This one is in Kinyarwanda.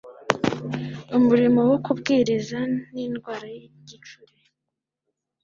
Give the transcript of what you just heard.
umurimo wo kubwiriza n indwara y igicuri